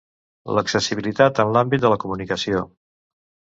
L'accessibilitat en l'àmbit de la comunicació.